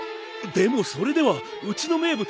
でもそれではうちの名物